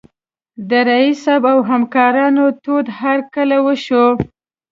د رییس صیب او همکارانو تود هرکلی وشو.